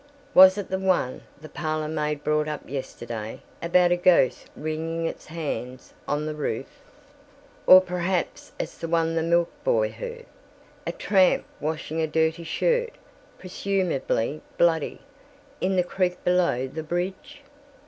Was it the one the parlor maid brought up yesterday, about a ghost wringing its hands on the roof? Or perhaps it's the one the milk boy heard: a tramp washing a dirty shirt, presumably bloody, in the creek below the bridge?"